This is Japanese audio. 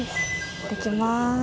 行ってきます。